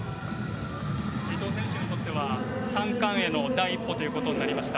伊藤選手にとっては３冠への第一歩となりました。